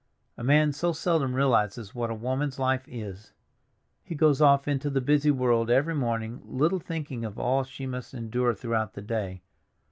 A man so seldom realizes what a woman's life is! He goes off into the busy world every morning, little thinking of all she must endure throughout the day.